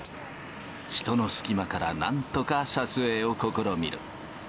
人の隙間から、なんとか撮影を試みる。